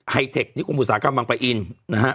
เทคนิคมอุตสาหกรรมบางปะอินนะฮะ